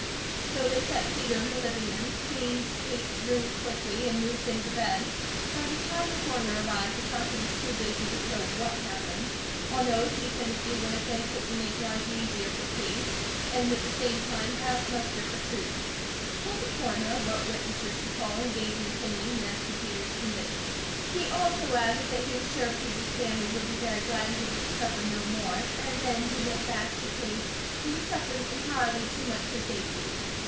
So they set Peter in the living room, cleaned Kate's room quickly, and moved in her bed. By the time the Coroner arrived, the doctor was too busy to care what happened. On oath he said a few words that he hoped would make life easier for Kate, and at the same time pass muster for truth; told the Coroner what witnesses to call; and gave an opinion as to Peter's condition. He also added that he was sure Peter's family would be very glad he was to suffer no more, and then he went back to Kate who was suffering entirely too much for safety.